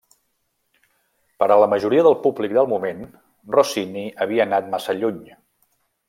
Per a la majoria del públic del moment, Rossini havia anat massa lluny.